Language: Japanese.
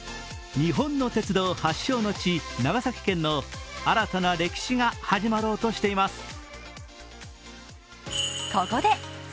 日本の鉄道発祥の地、長崎県の新たな歴史が始まろうとしています。